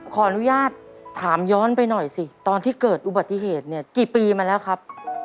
ขออนุญาตถามย้อนไปหน่อยสิตอนที่เกิดอุบัติเหตุเนี่ยกี่ปีมาแล้วครับ